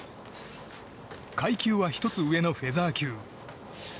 階級は１つ上のフェザー級。